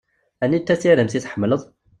Anita tiremt i tḥemmleḍ?